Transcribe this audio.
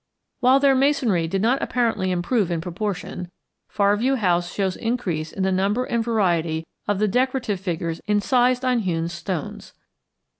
While their masonry did not apparently improve in proportion, Far View House shows increase in the number and variety of the decorative figures incised on hewn stones.